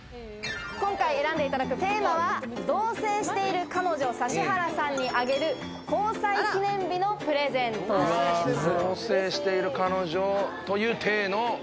今回選んでいただくプレゼントのテーマは同棲してる彼女・指原さんにあげる交際記念日のプレゼントです。